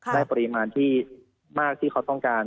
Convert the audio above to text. ได้ปริมาณที่มากที่เขาต้องการ